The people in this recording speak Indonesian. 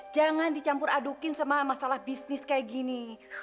jangan dicampur adukin sama masalah bisnis kayak gini